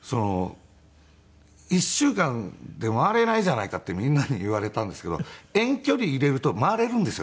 １週間で回れないじゃないかってみんなに言われたんですけど遠距離入れると回れるんですよね